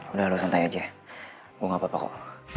udah lo santai aja gue gak apa apa kok